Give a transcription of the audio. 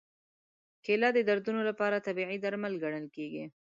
کېله د دردونو لپاره طبیعي درمل ګڼل کېږي.